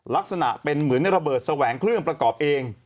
ลักษณะเป็นเหมือนระเบิดแสวงเครื่องประกอบเอง